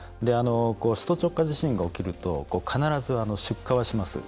首都直下地震が起きると必ず出火はします。